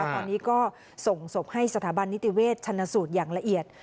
ตอนนี้ก็ส่งศพให้สถาบันนิติเวชชันสูตรอย่างละเอียด